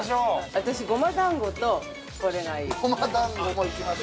◆私、ごま団子と、これがいい。